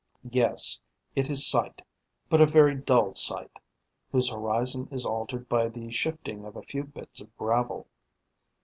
Yes, it is sight, but a very dull sight, whose horizon is altered by the shifting of a few bits of gravel.